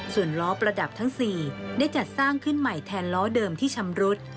ส่วนล้อประดับทั้ง๔ได้จัดสร้างขึ้นใหม่แทนล้อเดิมที่ชำรุด